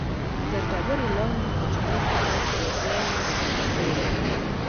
تر ډبرې لاندې کوچنۍ کوټه صلیبیانو ناپاکه کړې وه.